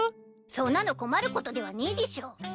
そんなの困ることではねいでしょ。